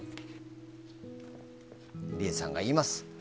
リエさんが言います。